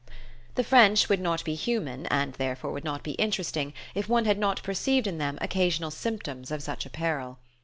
The French would not be human, and therefore would not be interesting, if one had not perceived in them occasional symptoms of such a peril.